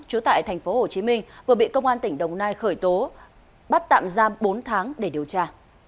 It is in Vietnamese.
trú tại tp hcm vừa bị công an tỉnh đồng nai khởi tố bắt tạm giam bốn tháng để điều tra